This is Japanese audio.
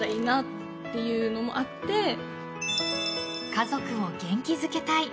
家族を元気づけたい。